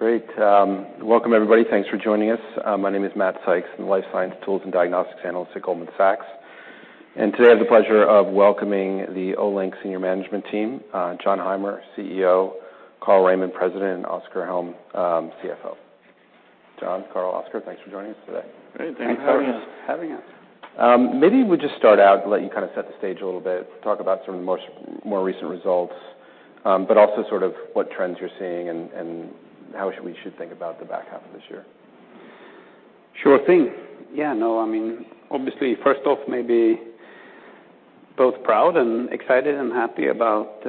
Great. Welcome, everybody. Thanks for joining us. My name is Matthew Sykes, and Life Science Tools and Diagnostics Analyst at Goldman Sachs. Today, I have the pleasure of welcoming the Olink senior management team, Jon Heimer, CEO, Carl Raimond, President, and Oskar Hjelm, CFO. Jon, Carl, Oskar, thanks for joining us today. Great, thank you for having us. Having you. Maybe we'll just start out, let you kind of set the stage a little bit, talk about some of the most, more recent results, but also sort of what trends you're seeing and how we should think about the back half of this year. Sure thing. No, I mean, obviously, first off, maybe both proud and excited and happy about,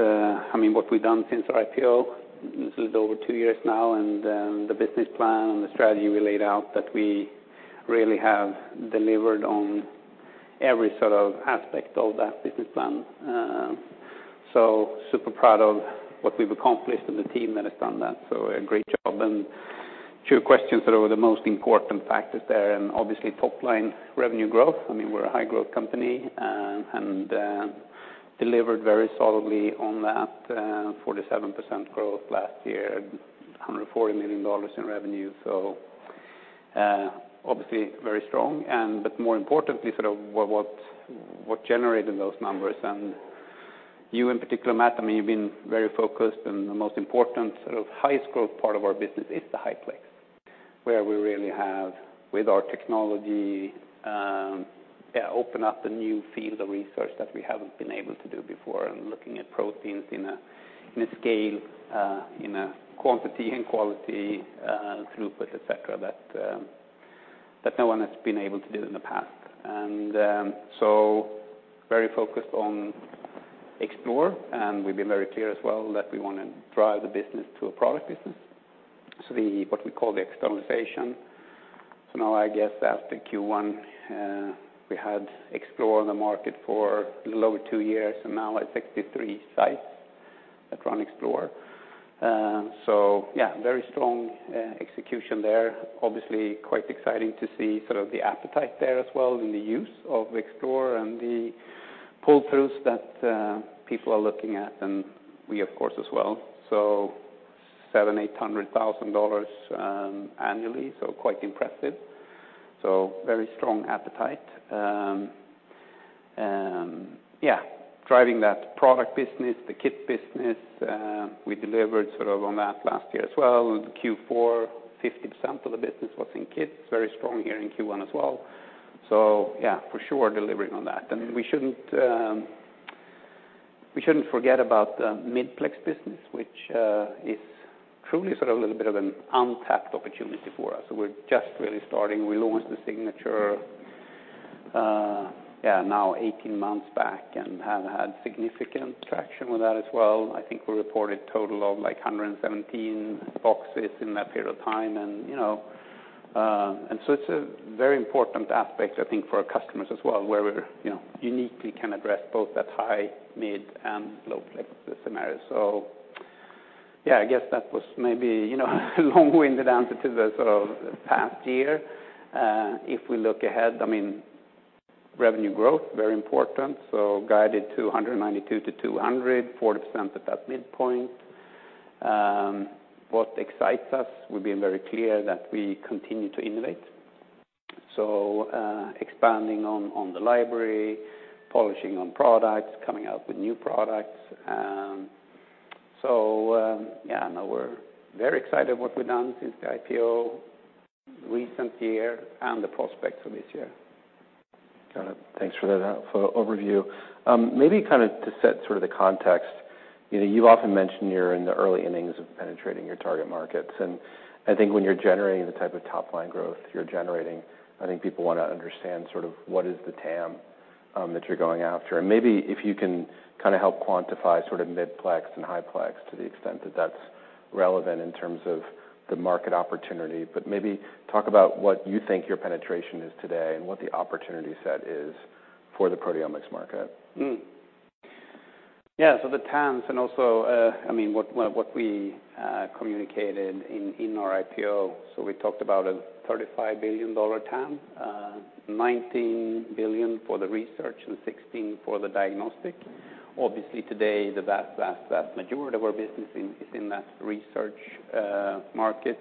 I mean, what we've done since our IPO. This is over two years now. The business plan and the strategy we laid out, that we really have delivered on every sort of aspect of that business plan. Super proud of what we've accomplished and the team that has done that. A great job, and two questions that are the most important factors there, obviously, top line revenue growth. I mean, we're a high growth company, and delivered very solidly on that, 47% growth last year, $140 million in revenue. Obviously, very strong, and but more importantly, sort of what generated those numbers. You in particular, Matt, I mean, you've been very focused and the most important, sort of highest growth part of our business is the high-plex, where we really have, with our technology, yeah, opened up a new field of research that we haven't been able to do before, and looking at proteins in a scale, in a quantity and quality, throughput, et cetera, that no one has been able to do in the past. Very focused on Explore, and we've been very clear as well that we want to drive the business to a product business. The, what we call the externalization. Now, I guess after Q1, we had Explore on the market for a little over two years, and now it's 63 sites that run Explore. Yeah, very strong execution there. Obviously, quite exciting to see sort of the appetite there as well in the use of Explore and the pull-throughs that people are looking at, and we of course, as well. $700,000-$800,000 annually, so quite impressive. Very strong appetite. Yeah, driving that product business, the kit business, we delivered sort of on that last year as well. Q4, 50% of the business was in kits, very strong here in Q1 as well. Yeah, for sure, delivering on that. We shouldn't, we shouldn't forget about the Mid-plex business, which is truly sort of a little bit of an untapped opportunity for us. We're just really starting. We launched the Signature, now 18 months back and have had significant traction with that as well. I think we reported total of, like, 117 boxes in that period of time, you know, it's a very important aspect, I think, for our customers as well, where we're, you know, uniquely can address both that high-plex, mid-plex, and low-plex scenarios. Yeah, I guess that was maybe, you know, a long-winded answer to the sort of past year. If we look ahead, I mean, revenue growth, very important, guided to $192-$200, 40% at that midpoint. What excites us, we've been very clear that we continue to innovate, so expanding on the library, polishing on products, coming out with new products. Yeah, no, we're very excited what we've done since the IPO, recent year, and the prospects for this year. Got it. Thanks for that for overview. Maybe kind of to set sort of the context, you know, you've often mentioned you're in the early innings of penetrating your target markets, I think when you're generating the type of top-line growth you're generating, I think people want to understand sort of what is the TAM that you're going after. Maybe if you can kind of help quantify sort of Mid-plex and high-plex to the extent that that's relevant in terms of the market opportunity, but maybe talk about what you think your penetration is today and what the opportunity set is for the proteomics market. Yeah, the TAMs and also, I mean, what we communicated in our IPO, we talked about a $35 billion TAM, $19 billion for the research and $16 billion for the diagnostic. Obviously, today, the vast majority of our business is in that research market.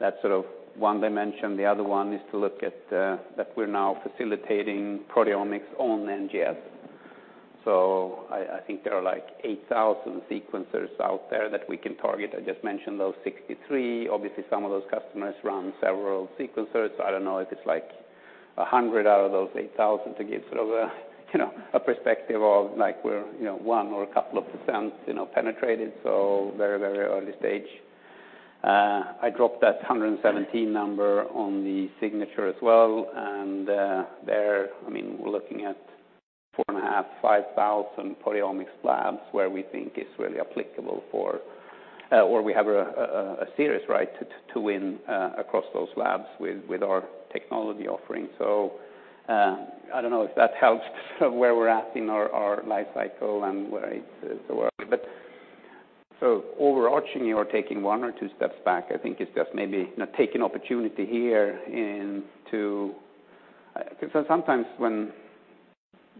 That's sort of one dimension. The other one is to look at that we're now facilitating proteomics on NGS. I think there are, like, 8,000 sequencers out there that we can target. I just mentioned those 63. Obviously, some of those customers run several sequencers. I don't know if it's, like, 100 out of those 8,000 to give sort of a, you know, a perspective of, like, we're, you know, 1 or a couple of %, you know, penetrated, very, very early stage. I dropped that 117 number on the Signature as well. There, I mean, we're looking at 4,500, 5,000 proteomics labs where we think it's really applicable for, or we have a serious right to win across those labs with our technology offering. I don't know if that helps sort of where we're at in our life cycle and where it is the world. Overarchingly, or taking one or two steps back, I think it's just maybe, you know, taking opportunity here and to. Sometimes when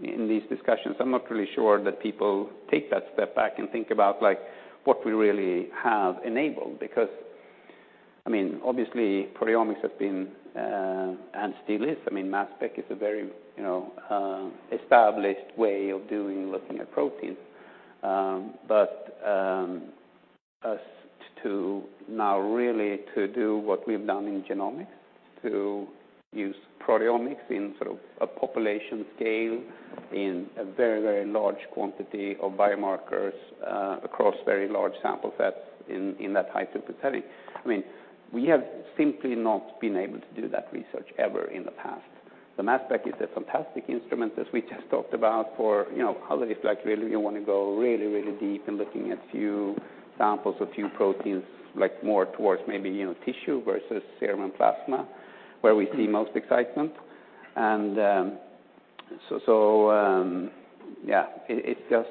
in these discussions, I'm not really sure that people take that step back and think about, like, what we really have enabled. Because, I mean, obviously, proteomics has been and still is. I mean, mass spec is a very, you know, established way of doing, looking at proteins. Us to now really to do what we've done in genomics, to use proteomics in sort of a population scale, in a very, very large quantity of biomarkers, across very large sample sets in that high-throughput setting. I mean, we have simply not been able to do that research ever in the past. The mass spec is a fantastic instrument, as we just talked about, for, you know, how it is like, really, you want to go really, really deep in looking at few samples or few proteins, like more towards maybe, you know, tissue versus serum and plasma, where we see most excitement. Yeah, it's just...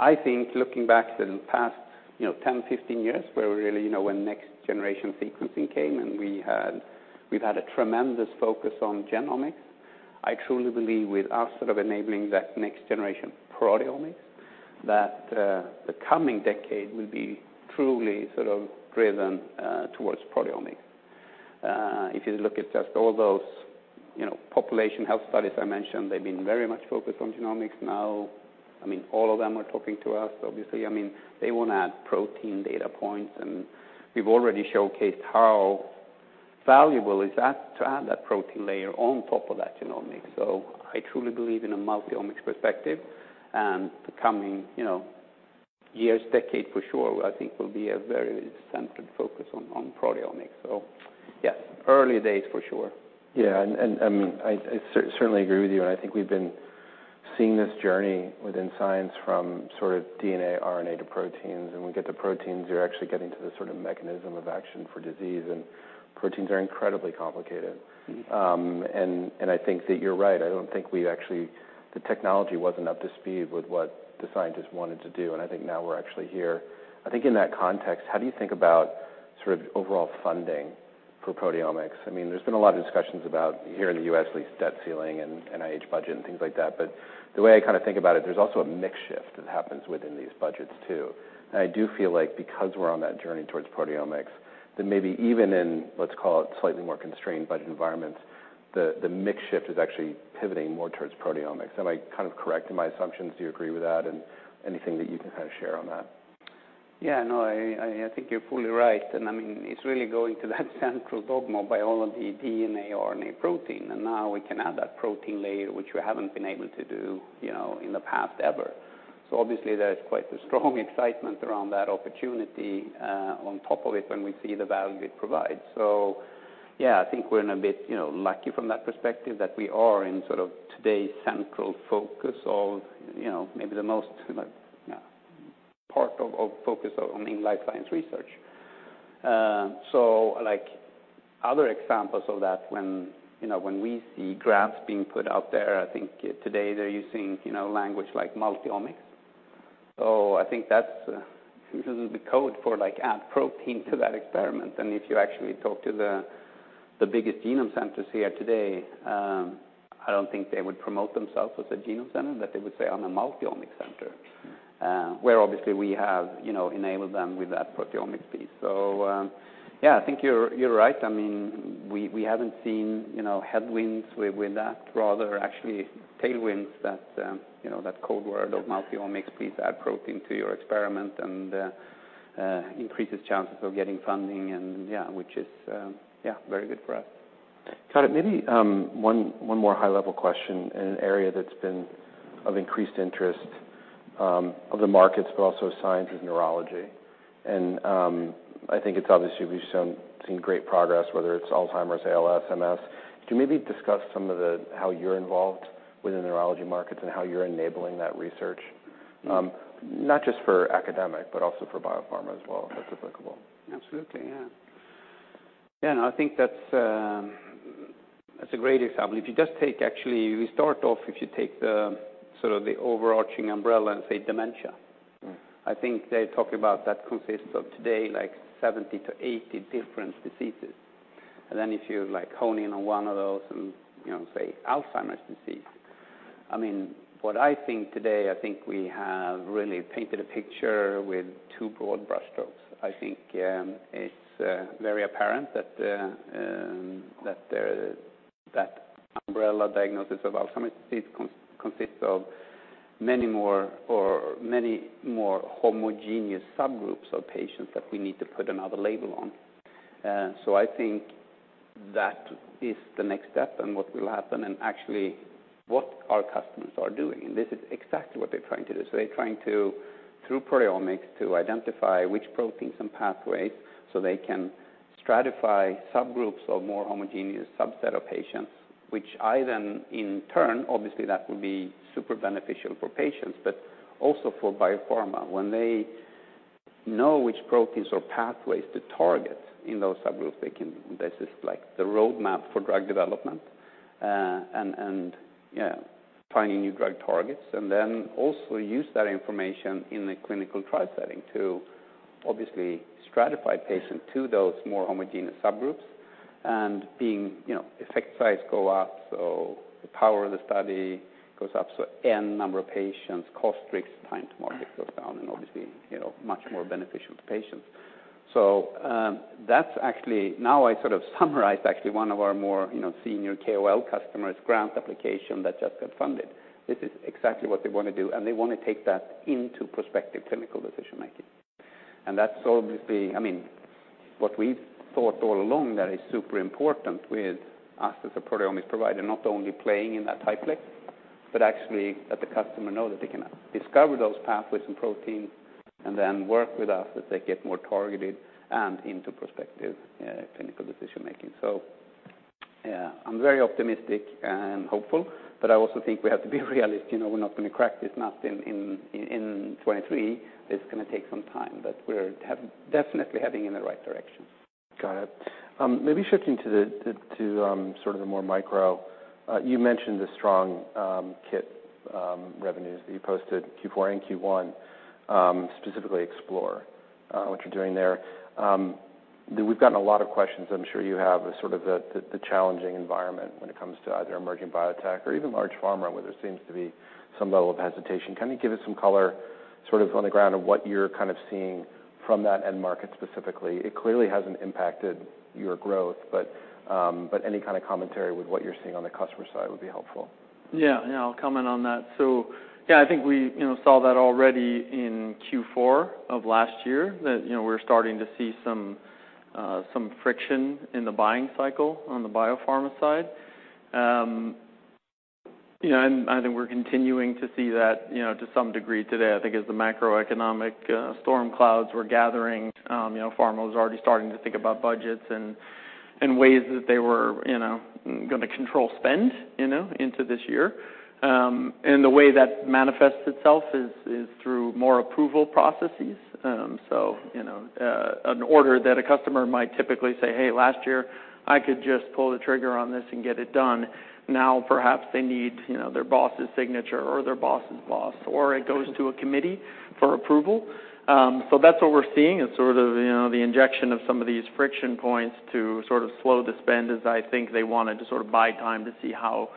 I think looking back to the past, you know, 10, 15 years, where we really, you know, when next-generation sequencing came, we've had a tremendous focus on genomics. I truly believe with us sort of enabling that next-generation proteomics, that the coming decade will be truly sort of driven towards proteomics. If you look at just all those, you know, population health studies I mentioned, they've been very much focused on genomics. Now, I mean, all of them are talking to us, obviously. I mean, they want to add protein data points, and we've already showcased how valuable is that, to add that protein layer on top of that genomics. I truly believe in a multi-omics perspective, and the coming, you know, years, decade, for sure, I think will be a very centered focus on proteomics. Yeah, early days for sure. Yeah, and I certainly agree with you, and I think we've been seeing this journey within science from sort of DNA, RNA to proteins. When we get to proteins, you're actually getting to the sort of mechanism of action for disease, and proteins are incredibly complicated. Mm-hmm. I think that you're right. I don't think we've actually the technology wasn't up to speed with what the scientists wanted to do, and I think now we're actually here. I think in that context, how do you think about sort of overall funding for proteomics? I mean, there's been a lot of discussions about, here in the U.S., at least, debt ceiling and NIH budget and things like that. The way I kind of think about it, there's also a mix shift that happens within these budgets, too. I do feel like, because we're on that journey towards proteomics, that maybe even in, let's call it, slightly more constrained budget environments, the mix shift is actually pivoting more towards proteomics. Am I kind of correct in my assumptions? Do you agree with that? Anything that you can kind of share on that? Yeah, no, I think you're fully right. I mean, it's really going to that central dogma of biology, DNA, RNA, protein. Now we can add that protein layer, which we haven't been able to do, you know, in the past, ever. Obviously, there is quite a strong excitement around that opportunity, on top of it, when we see the value it provides. Yeah, I think we're in a bit, you know, lucky from that perspective, that we are in sort of today's central focus of, you know, maybe the most, you know, part of focus on, in life science research. Like, other examples of that, when, you know, when we see graphs being put out there, I think today they're using, you know, language like multi-omics. I think that's the code for like, add protein to that experiment. If you actually talk to the biggest genome centers here today, I don't think they would promote themselves as a genome center, that they would say, "I'm a multi-omics center," where obviously we have, you know, enabled them with that proteomics piece. Yeah, I think you're right. I mean, we haven't seen, you know, headwinds with that, rather, actually tailwinds that, you know, that code word of multi-omics, please add protein to your experiment and increases chances of getting funding and, yeah, which is, yeah, very good for us. Got it. Maybe, one more high-level question in an area that's been of increased interest, of the markets, but also science, with neurology. I think it's obviously, we've seen great progress, whether it's Alzheimer's, ALS, MS. Can you maybe discuss some of the how you're involved with the neurology markets and how you're enabling that research? Not just for academic, but also for biopharma as well, if applicable. Absolutely. Yeah. Yeah. I think that's that's a great example. Actually, we start off, if you take the sort of the overarching umbrella and say, dementia- Mm. I think they talk about that consists of today, like 70 to 80 different diseases. Then if you, like, hone in on one of those and, you know, say Alzheimer's disease, I mean, what I think today, I think we have really painted a picture with two broad brushstrokes. I think it's very apparent that there, that umbrella diagnosis of Alzheimer's disease consists of many more or many more homogeneous subgroups of patients that we need to put another label on. I think that is the next step and what will happen, and actually what our customers are doing, and this is exactly what they're trying to do. They're trying to, through proteomics, to identify which proteins and pathways, so they can stratify subgroups of more homogeneous subset of patients, which either in turn, obviously, that would be super beneficial for patients, but also for biopharma. They know which proteins or pathways to target in those subgroups, this is like the roadmap for drug development, and, yeah, finding new drug targets. Also use that information in a clinical trial setting to obviously stratify patients to those more homogeneous subgroups, and being, you know, effect size go up, so the power of the study goes up. N number of patients, cost, risk, time to market goes down and obviously, you know, much more beneficial to patients. Now I sort of summarized actually one of our more, you know, senior KOL customer's grant application that just got funded. This is exactly what they want to do, and they want to take that into prospective clinical decision making. That's obviously, I mean, what we've thought all along, that is super important with us as a proteomics provider, not only playing in that high-plex, but actually that the customer know that they can discover those pathways and proteins and then work with us as they get more targeted and into prospective clinical decision making. Yeah, I'm very optimistic and hopeful, but I also think we have to be realistic. You know, we're not going to crack this nut in 23. It's going to take some time, but we're definitely heading in the right direction. Got it. Maybe shifting to the sort of the more micro. You mentioned the strong kit revenues that you posted Q4 and Q1, specifically Explore, what you're doing there. We've gotten a lot of questions, I'm sure you have, of sort of the challenging environment when it comes to either emerging biotech or even large pharma, where there seems to be some level of hesitation. Can you give us some color, sort of on the ground, of what you're kind of seeing from that end market specifically? It clearly hasn't impacted your growth, any kind of commentary with what you're seeing on the customer side would be helpful. Yeah, I'll comment on that. I think we, you know, saw that already in Q4 of last year, that, you know, we're starting to see some friction in the buying cycle on the biopharma side. You know, I think we're continuing to see that, you know, to some degree today. I think as the macroeconomic storm clouds were gathering, you know, pharma was already starting to think about budgets and ways that they were, you know, going to control spend, you know, into this year. The way that manifests itself is through more approval processes. You know, an order that a customer might typically say, "Hey, last year, I could just pull the trigger on this and get it done." Now, perhaps they need, you know, their boss's signature or their boss's boss, or it goes to a committee for approval. That's what we're seeing is sort of, you know, the injection of some of these friction points to sort of slow the spend, as I think they wanted to sort of buy time to see how,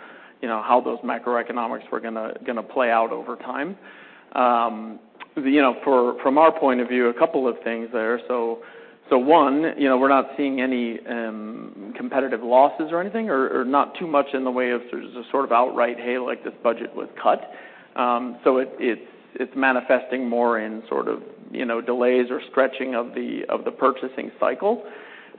you know, how those macroeconomics were gonna play out over time. You know, from our point of view, a couple of things there. One, you know, we're not seeing any competitive losses or anything, or not too much in the way of sort of outright, hey, like, this budget was cut. It's manifesting more in sort of, you know, delays or stretching of the, of the purchasing cycle.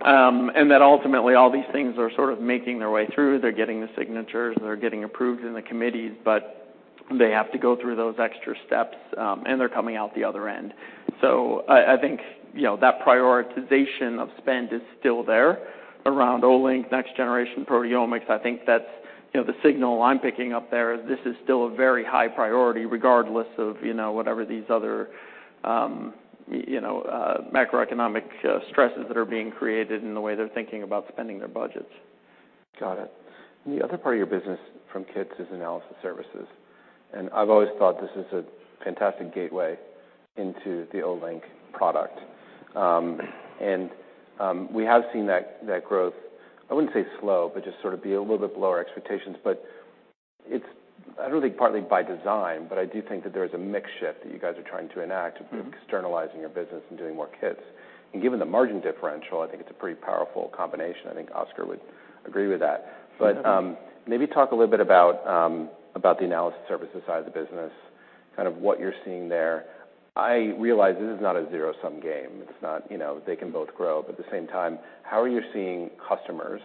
That ultimately all these things are sort of making their way through. They're getting the signatures, they're getting approved in the committees, but they have to go through those extra steps, and they're coming out the other end. I think, you know, that prioritization of spend is still there around Olink, next generation proteomics. I think that's, you know, the signal I'm picking up there. This is still a very high priority, regardless of, you know, whatever these other, you know, macroeconomic stresses that are being created in the way they're thinking about spending their budgets. Got it. The other part of your business from kits is analysis services. I've always thought this is a fantastic gateway into the Olink product. We have seen that growth, I wouldn't say slow, but just sort of be a little bit below our expectations. I don't think partly by design, I do think that there is a mix shift that you guys are trying to enact-. Mm-hmm. externalizing your business and doing more kits. Given the margin differential, I think it's a pretty powerful combination. I think Oskar would agree with that. Mm-hmm. Maybe talk a little bit about about the analysis services side of the business, kind of what you're seeing there. I realize this is not a zero-sum game. It's not, you know, they can both grow, but at the same time, how are you seeing customers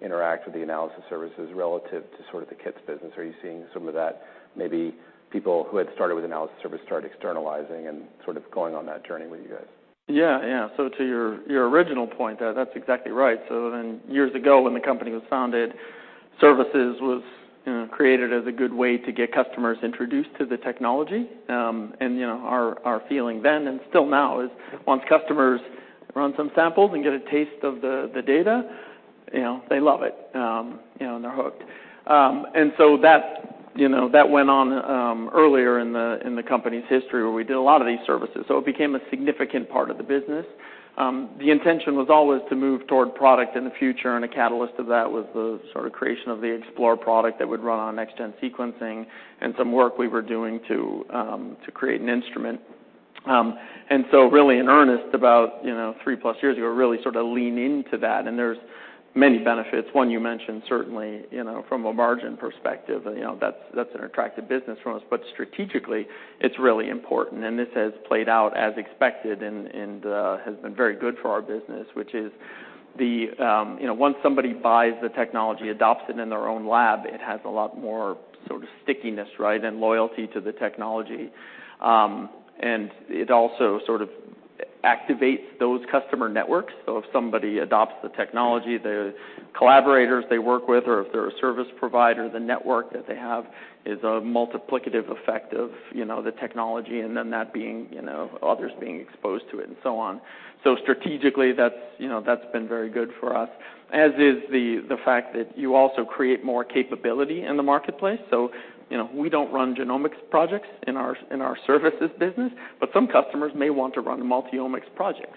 interact with the analysis services relative to sort of the kits business? Are you seeing some of that, maybe people who had started with analysis services start externalizing and sort of going on that journey with you guys? Yeah, yeah. To your original point, that's exactly right. Years ago, when the company was founded, services was, you know, created as a good way to get customers introduced to the technology. And, you know, our feeling then and still now, is once customers run some samples and get a taste of the data, you know, they love it, you know, and they're hooked. That, you know, that went on, earlier in the, in the company's history, where we did a lot of these services, so it became a significant part of the business. The intention was always to move toward product in the future, and a catalyst of that was the sort of creation of the Olink Explore product that would run on next-gen sequencing and some work we were doing to create an instrument. Really in earnest, about, you know, three-plus years ago, really sort of lean into that. There's many benefits. One, you mentioned certainly, you know, from a margin perspective, you know, that's an attractive business for us. Strategically, it's really important, and this has played out as expected and has been very good for our business, which is the, you know, once somebody buys the technology, adopts it in their own lab, it has a lot more sort of stickiness, right, and loyalty to the technology. It also activates those customer networks. If somebody adopts the technology, the collaborators they work with, or if they're a service provider, the network that they have is a multiplicative effect of, you know, the technology, and then that being, you know, others being exposed to it and so on. Strategically, that's, you know, that's been very good for us, as is the fact that you also create more capability in the marketplace. You know, we don't run genomics projects in our, in our services business, but some customers may want to run a multi-omics project.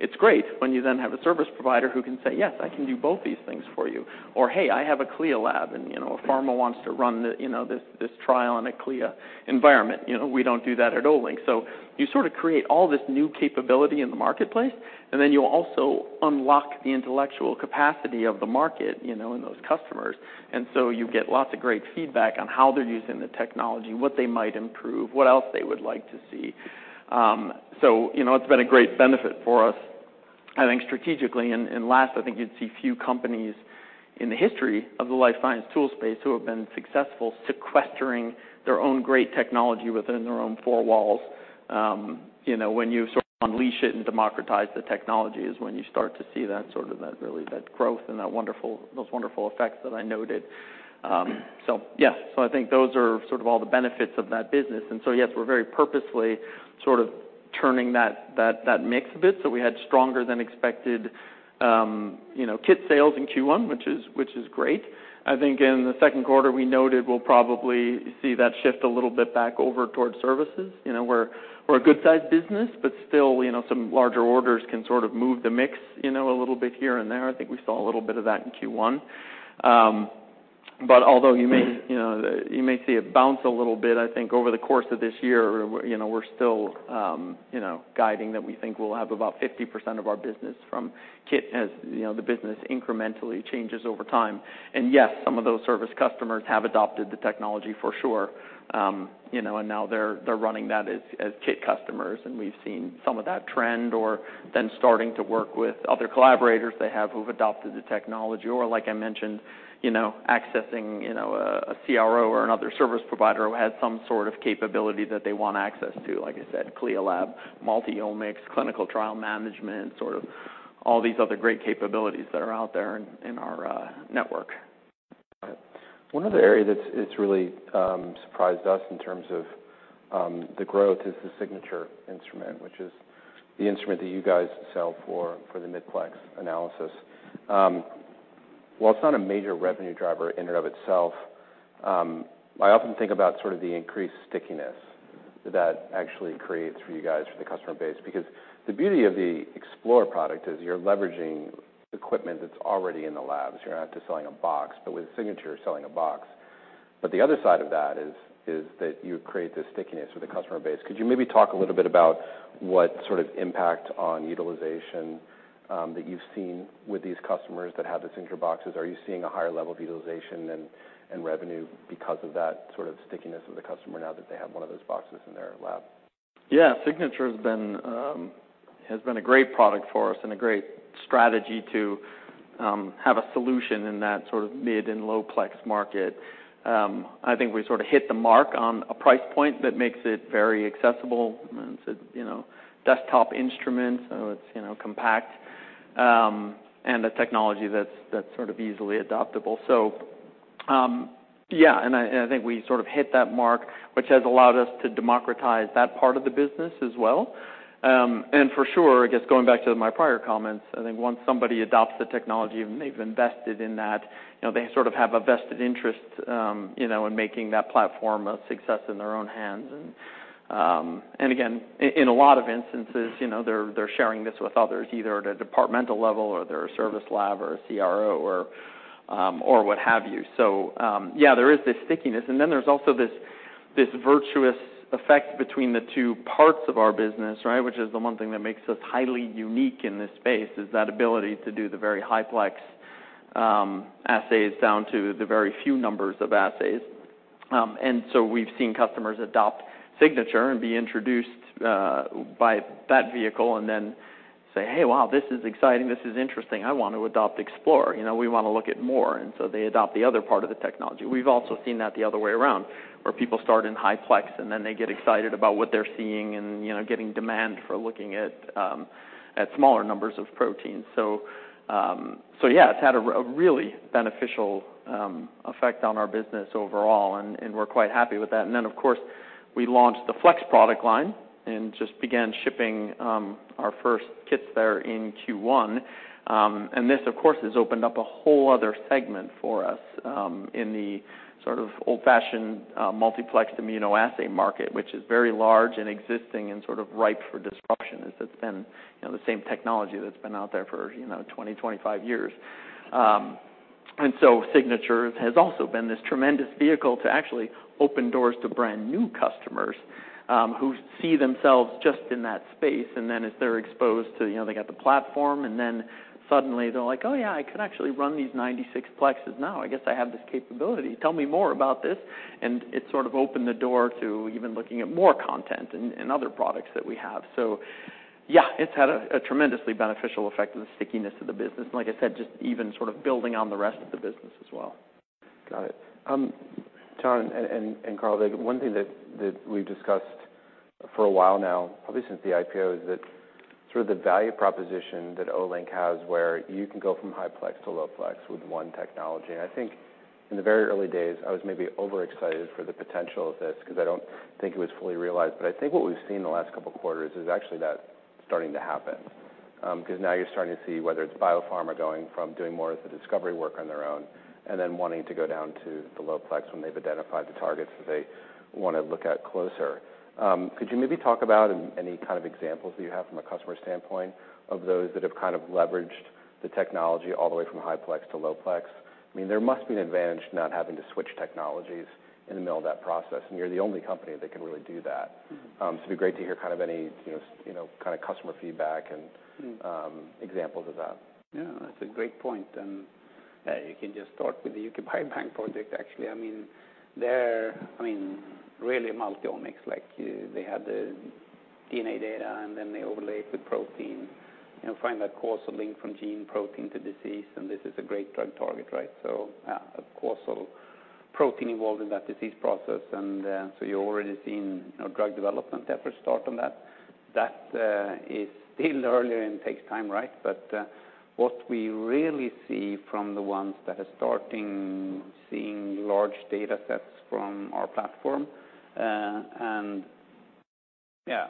It's great when you have a service provider who can say, "Yes, I can do both these things for you," or, "Hey, I have a CLIA lab," and, you know, a pharma wants to run the, you know, this trial in a CLIA environment. You know, we don't do that at Olink. You sort of create all this new capability in the marketplace, and then you'll also unlock the intellectual capacity of the market, you know, and those customers. You get lots of great feedback on how they're using the technology, what they might improve, what else they would like to see. You know, it's been a great benefit for us, I think, strategically. Last, I think you'd see few companies in the history of the life science tool space who have been successful sequestering their own great technology within their own four walls. You know, when you sort of unleash it and democratize the technology is when you start to see that, sort of that, really, that growth and those wonderful effects that I noted. Yes, so I think those are sort of all the benefits of that business. Yes, we're very purposefully sort of turning that mix a bit. We had stronger than expected, you know, kit sales in Q1, which is great. I think in the second quarter, we noted we'll probably see that shift a little bit back over towards services. You know, we're a good-sized business, but still, you know, some larger orders can sort of move the mix, you know, a little bit here and there. I think we saw a little bit of that in Q1. Although you may, you know, you may see it bounce a little bit, I think over the course of this year, you know, we're still, you know, guiding that we think we'll have about 50% of our business from kit as, you know, the business incrementally changes over time. Yes, some of those service customers have adopted the technology for sure. Now they're running that as kit customers, and we've seen some of that trend, or then starting to work with other collaborators they have who've adopted the technology, or like I mentioned, you know, accessing a CRO or another service provider who has some sort of capability that they want access to. Like I said, CLIA lab, multi-omics, clinical trial management, sort of all these other great capabilities that are out there in our network. One other area that's really surprised us in terms of the growth is the Signature instrument, which is the instrument that you guys sell for the Mid-plex analysis. While it's not a major revenue driver in and of itself, I often think about sort of the increased stickiness that actually creates for you guys for the customer base, because the beauty of the Olink Explore product is you're leveraging equipment that's already in the labs. You're not just selling a box, but with Signature, selling a box. The other side of that is that you create this stickiness with the customer base. Could you maybe talk a little bit about what sort of impact on utilization that you've seen with these customers that have the Signature boxes? Are you seeing a higher level of utilization and revenue because of that sort of stickiness of the customer now that they have one of those boxes in their lab? Yeah, Signature has been a great product for us and a great strategy to have a solution in that sort of mid-plex and low-plex market. I think we sort of hit the mark on a price point that makes it very accessible. You know, desktop instrument, so it's, you know, compact and a technology that's sort of easily adaptable. Yeah, and I think we sort of hit that mark, which has allowed us to democratize that part of the business as well. For sure, I guess, going back to my prior comments, I think once somebody adopts the technology and they've invested in that, you know, they sort of have a vested interest, you know, in making that platform a success in their own hands. Again, in a lot of instances, you know, they're sharing this with others, either at a departmental level or they're a service lab or a CRO or what have you. There is this stickiness, and then there's also this virtuous effect between the two parts of our business, right? Which is the one thing that makes us highly unique in this space, is that ability to do the very high-plex assays down to the very few numbers of assays. We've seen customers adopt Signature and be introduced by that vehicle and then say, "Hey, wow, this is exciting. This is interesting. I want to adopt Explore. You know, we want to look at more." They adopt the other part of the technology. We've also seen that the other way around, where people start in high-plex, and then they get excited about what they're seeing and, you know, getting demand for looking at smaller numbers of proteins. Yeah, it's had a really beneficial effect on our business overall, and we're quite happy with that. Of course, we launched the Flex product line and just began shipping our first kits there in Q1. This, of course, has opened up a whole other segment for us in the sort of old-fashioned, multiplexed immunoassay market, which is very large and existing and sort of ripe for disruption, as it's been, you know, the same technology that's been out there for, you know, 20-25 years. Signature has also been this tremendous vehicle to actually open doors to brand new customers who see themselves just in that space. As they're exposed to... You know, they got the platform, then suddenly they're like: "Oh, yeah, I could actually run these 96 plexes now. I guess I have this capability. Tell me more about this." It sort of opened the door to even looking at more content and other products that we have. It's had a tremendously beneficial effect on the stickiness of the business, and like I said, just even sort of building on the rest of the business as well. Got it. Jon and Carl, the one thing that we've discussed for a while now, probably since the IPO, is that sort of the value proposition that Olink has, where you can go from high-plex to low-plex with one technology. I think in the very early days, I was maybe overexcited for the potential of this, 'cause I don't think it was fully realized. I think what we've seen in the last couple of quarters is actually that starting to happen. 'Cause now you're starting to see whether it's biopharma going from doing more of the discovery work on their own, and then wanting to go down to the low-plex when they've identified the targets that they want to look at closer. Could you maybe talk about any kind of examples that you have from a customer standpoint, of those that have kind of leveraged the technology all the way from high-plex to low-plex? I mean, there must be an advantage to not having to switch technologies in the middle of that process, and you're the only company that can really do that. It'd be great to hear kind of any, you know, you know, kind of customer feedback and examples of that. Yeah, that's a great point. Yeah, you can just start with the UK Biobank project, actually. I mean, they're, I mean, really multi-omics, like, they had the DNA data, and then they overlay the protein and find that causal link from gene protein to disease, and this is a great drug target, right? Yeah, a causal protein involved in that disease process. You're already seeing, you know, drug development effort start on that. That is still early and takes time, right? What we really see from the ones that are starting, seeing large data sets from our platform, and yeah,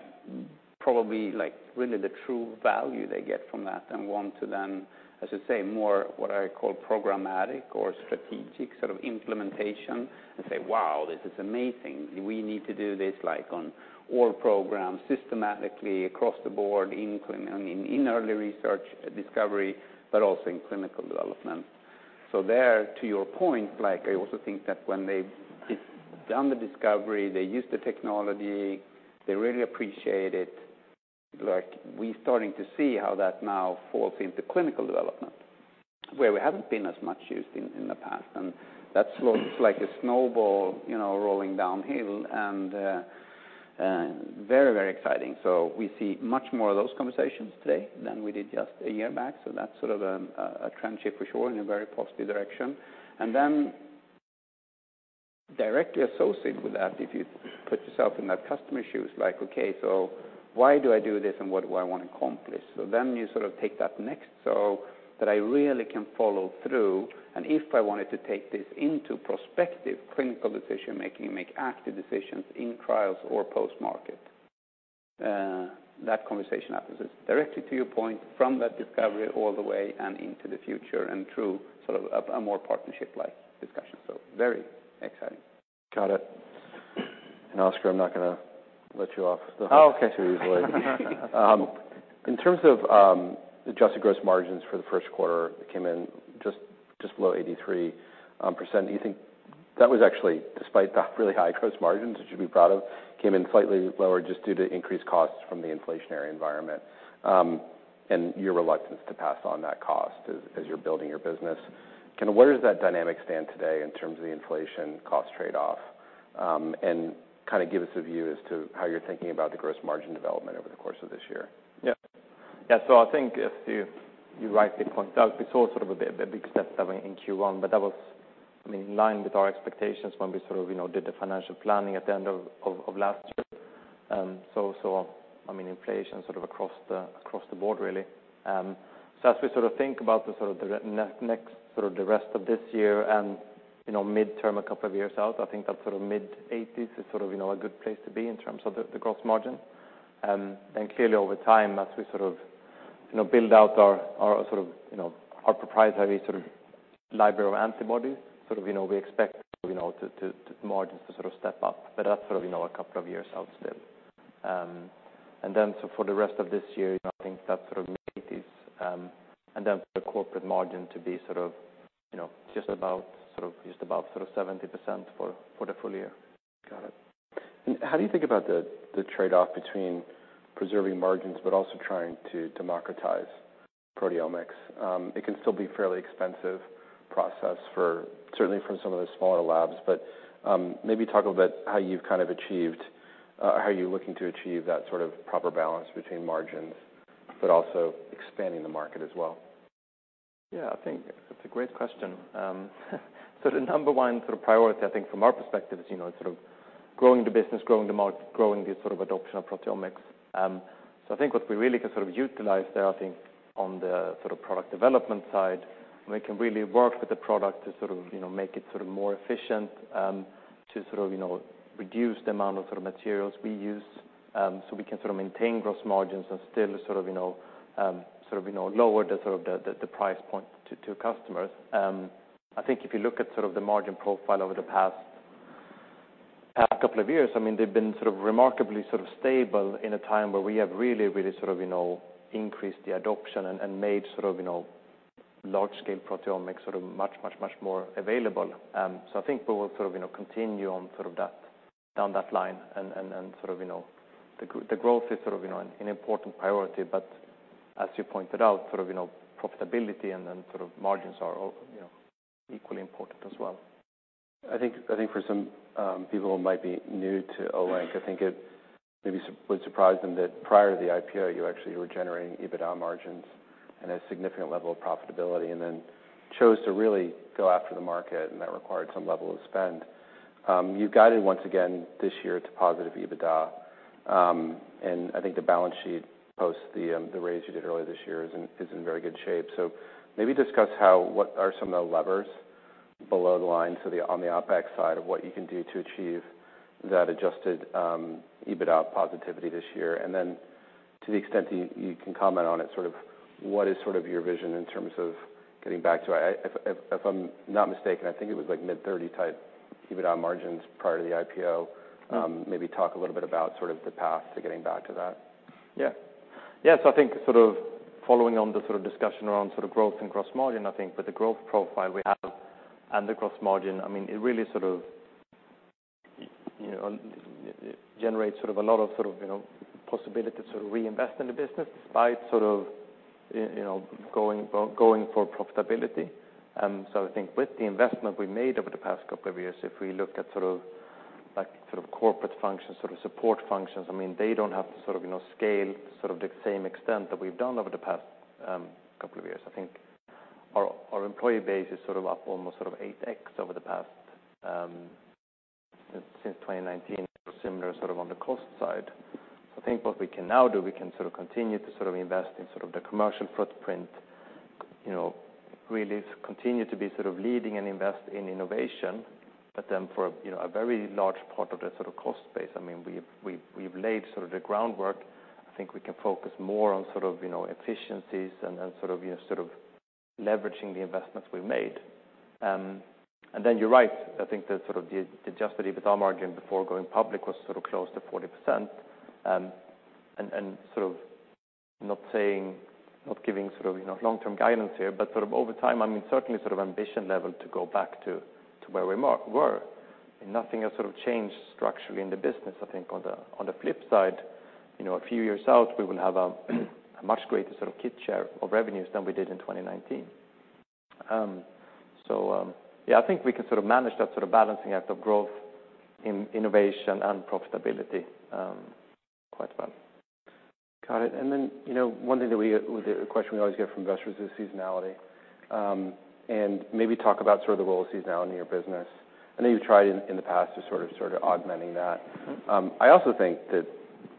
probably, like, really the true value they get from that and want to then, I should say, more what I call programmatic or strategic sort of implementation and say, "Wow, this is amazing. We need to do this, like, on all programs systematically across the board, in early research discovery, but also in clinical development. There, to your point, like, I also think that when they've done the discovery, they use the technology, they really appreciate it. We're starting to see how that now falls into clinical development, where we haven't been as much used in the past. That's like a snowball, you know, rolling downhill and very, very exciting. We see much more of those conversations today than we did just a year back. That's sort of a trend shift for sure, in a very positive direction. Directly associated with that, if you put yourself in that customer's shoes, like, okay, so why do I do this and what do I want to accomplish? You sort of take that next, so that I really can follow through, and if I wanted to take this into prospective clinical decision-making, make active decisions in trials or post-market, that conversation happens. It's directly to your point, from that discovery all the way and into the future, and through a more partnership-like discussion. Very exciting. Got it. Oskar, I'm not gonna let you off the hook. Oh, okay. Too easily. In terms of the adjusted gross margins for the first quarter, it came in just below 83%. Do you think that was actually, despite the really high gross margins, which you'd be proud of, came in slightly lower just due to increased costs from the inflationary environment, and your reluctance to pass on that cost as you're building your business? Kinda where does that dynamic stand today in terms of the inflation cost trade-off? Kind of give us a view as to how you're thinking about the gross margin development over the course of this year? I think if you're right to point out, we saw a big step down in Q1, but that was, I mean, in line with our expectations when we sort of, you know, did the financial planning at the end of last year. I mean, inflation sort of across the board, really. As we sort of think about the next, sort of the rest of this year and, you know, midterm two years out, I think that sort of mid-80s is sort of, you know, a good place to be in terms of the gross margin. Clearly, over time, as we sort of, you know, build out our, sort of, you know, our proprietary sort of library of antibodies, sort of, you know, we expect, you know, to the margins to sort of step up, but that's sort of, you know, a couple of years out still. For the rest of this year, I think that sort of mid-80s, and then for the corporate margin to be sort of, you know, just about, sort of, just about sort of 70% for the full year. Got it. How do you think about the trade-off between preserving margins but also trying to democratize proteomics? It can still be a fairly expensive process for, certainly for some of the smaller labs. Maybe talk a little bit how you've kind of achieved, or how you're looking to achieve that sort of proper balance between margins but also expanding the market as well. I think that's a great question. The number one sort of priority, I think from our perspective is, you know, sort of growing the business, growing the market, growing the sort of adoption of proteomics. I think what we really can sort of utilize there, I think, on the sort of product development side, we can really work with the product to sort of, you know, make it sort of more efficient, to sort of, you know, reduce the amount of sort of materials we use, so we can sort of maintain gross margins and still sort of, you know, lower the, sort of the price point to customers. I think if you look at sort of the margin profile over the past couple of years, I mean, they've been sort of remarkably sort of stable in a time where we have really sort of, you know, increased the adoption and made sort of, you know, large-scale proteomics sort of much more available. I think we will sort of, you know, continue on sort of that, down that line and sort of, you know, the growth is sort of, you know, an important priority. As you pointed out, sort of, you know, profitability and then sort of margins are, you know, equally important as well. I think for some people who might be new to Olink, I think. Maybe was surprised in that prior to the IPO, you actually were generating EBITDA margins and a significant level of profitability, and then chose to really go after the market, and that required some level of spend. You've guided once again this year to positive EBITDA. I think the balance sheet post the raise you did earlier this year is in, is in very good shape. So maybe discuss how, what are some of the levers below the line, so on the OpEx side of what you can do to achieve that adjusted EBITDA positivity this year? To the extent you can comment on it, sort of what is sort of your vision in terms of getting back to, if I'm not mistaken, I think it was like mid-30 type EBITDA margins prior to the IPO. Maybe talk a little bit about sort of the path to getting back to that. Yeah. Yeah, I think sort of following on the sort of discussion around sort of growth and gross margin, I think with the growth profile we have and the gross margin, I mean, it really sort of, you know, generates sort of a lot of sort of, you know, possibility to sort of reinvest in the business despite sort of, you know, going for profitability. I think with the investment we made over the past couple of years, if we look at sort of like, sort of corporate functions, sort of support functions, I mean, they don't have to sort of, you know, scale sort of the same extent that we've done over the past couple of years. I think our employee base is sort of up almost sort of 8x over the past since 2019, or similar sort of on the cost side. I think what we can now do, we can sort of continue to sort of invest in sort of the commercial footprint, you know, really continue to be sort of leading and invest in innovation, for, you know, a very large part of the sort of cost base, I mean, we've laid sort of the groundwork. I think we can focus more on sort of, you know, efficiencies and sort of, you know, sort of leveraging the investments we've made. you're right, I think the sort of the adjusted EBITDA margin before going public was sort of close to 40%. and sort of not saying, not giving sort of, you know, long-term guidance here, but sort of over time, I mean, certainly sort of ambition level to go back to where we were. Nothing has sort of changed structurally in the business. I think on the, on the flip side, you know, a few years out, we will have a much greater sort of kit share of revenues than we did in 2019. Yeah, I think we can sort of manage that sort of balancing act of growth in innovation and profitability, quite well. Got it. Then, you know, one thing that with the question we always get from investors is seasonality. Maybe talk about sort of the role of seasonality in your business. I know you've tried in the past to sort of augmenting that. Mm-hmm. I also think that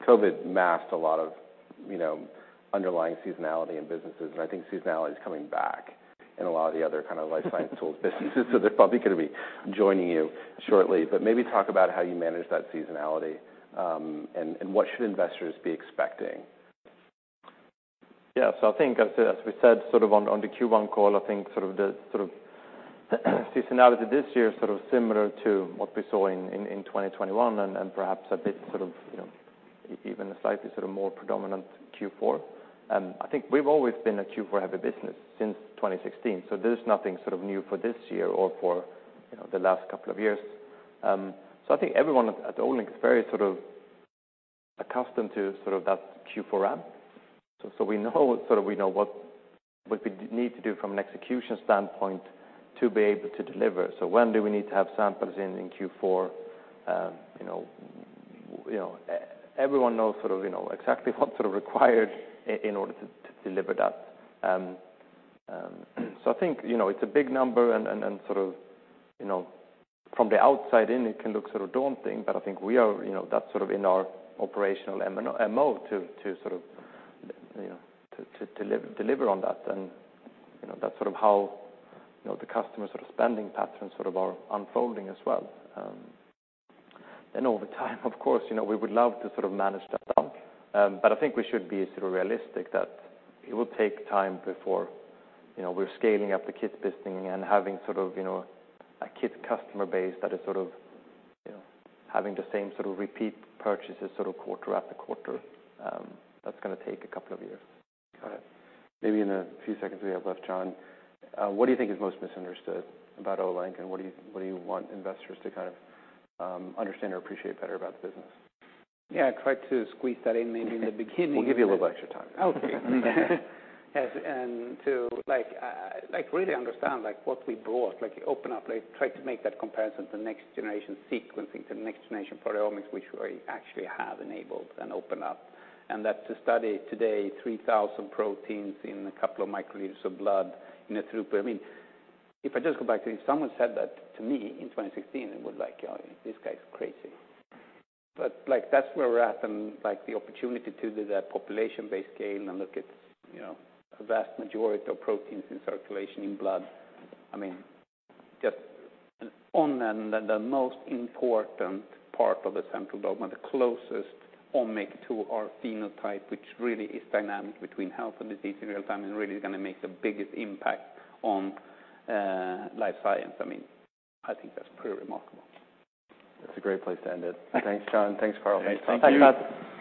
COVID masked a lot of, you know, underlying seasonality in businesses, and I think seasonality is coming back in a lot of the other kind of life science tools businesses, so they're probably going to be joining you shortly. Maybe talk about how you manage that seasonality, and what should investors be expecting? Yeah. I think, as we said, sort of on the Q1 call, I think sort of the seasonality this year is sort of similar to what we saw in 2021 and perhaps a bit sort of, you know, even a slightly sort of more predominant Q4. I think we've always been a Q4 heavy business since 2016, so there is nothing sort of new for this year or for, you know, the last couple of years. I think everyone at Olink is very sort of accustomed to sort of that Q4 ramp. We know, sort of, we know what we need to do from an execution standpoint to be able to deliver. When do we need to have samples in Q4? You know, you know, everyone knows sort of, you know, exactly what's sort of required in order to deliver that. I think, you know, it's a big number and, and sort of, you know, from the outside in, it can look sort of daunting, but I think we are, you know, that's sort of in our operational MO to sort of, you know, to deliver on that. You know, that's sort of how, you know, the customer sort of spending patterns sort of are unfolding as well. Over time, of course, you know, we would love to sort of manage that down. I think we should be sort of realistic that it will take time before, you know, we're scaling up the kits business and having sort of, you know, a kit customer base that is sort of, you know, having the same sort of repeat purchases sort of quarter after quarter. That's going to take a couple of years. Got it. Maybe in the few seconds we have left, Jon, what do you think is most misunderstood about Olink, and what do you want investors to kind of understand or appreciate better about the business? Yeah, try to squeeze that in maybe in the beginning. We'll give you a little extra time. Okay. To really understand, like, what we brought, like open up, like try to make that comparison to next-generation sequencing, to next-generation proteomics, which we actually have enabled and opened up. That to study today 3,000 proteins in a couple of microliters of blood in a throughput. I mean, if I just go back to, if someone said that to me in 2016, I would like, "Oh, this guy's crazy." That's where we're at and the opportunity to do that population-based scale and look at, you know, the vast majority of proteins in circulation in blood. I mean, just on the most important part of the central dogma, the closest omic to our phenotype, which really is dynamic between health and disease in real time, and really is going to make the biggest impact on life science. I mean, I think that's pretty remarkable. That's a great place to end it. Okay. Thanks, Jon. Thanks, Carl. Thanks. Thanks, Matt.